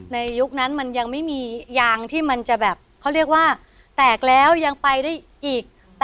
ยุคนั้นมันยังไม่มียางที่มันจะแบบเขาเรียกว่าแตกแล้วยังไปได้อีก